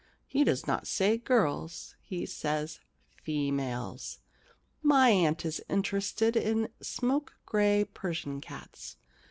He does not say girls. He says females. My aunt is interested in smoke gray Persian cats.